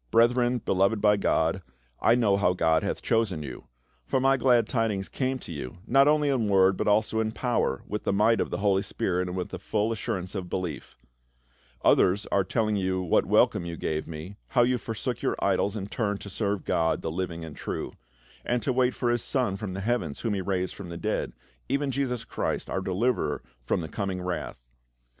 " Brethren, beloved by God, I know how God hath chosen you ; for my glad tidings came to you, not only in word, but also in power, with the might of the Holy Spirit, and with the full assurance of belief Others are telling what welcome you gave me, how you forsook your idols, and turned to serve God, the living and true ; and to wait for his son from the heavens, whom he raised from the dead, even Jesus Christ our deliverer from the coming wrath.